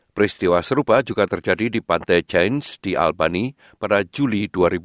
peristiwa serupa juga terjadi di pantai chains di albany pada juli dua ribu dua puluh tiga